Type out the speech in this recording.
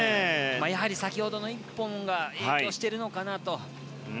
やはり先ほどの１本が影響しているのかなと。